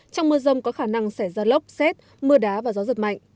trong mưa rông có khả năng xảy ra lốc xét mưa đá và gió giật mạnh